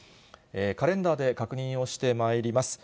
カレンダーで確認をしてまいります。